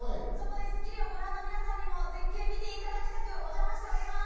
そこで『スッキリ』をご覧の皆さんにも絶景を見ていただきたく、お邪魔しております。